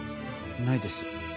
ないです。